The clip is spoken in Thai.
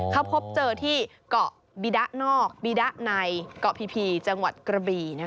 เขาพบเจอที่เกาะบีดะนอกบีดะในเกาะพีจังหวัดกระบี